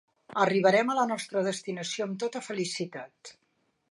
Arribàrem a la nostra destinació amb tota felicitat.